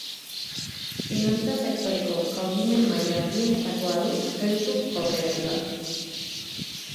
Finantza sektoreko kaudimen maila handienetakoa du kreditu kooperatibak.